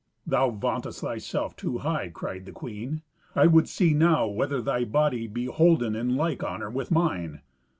"Thou vauntest thyself too high," cried the queen; "I would see now whether thy body be holden in like honour with mine."